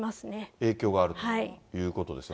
影響があるということですね。